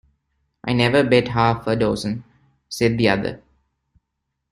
‘I never bet half a dozen!’ said the other.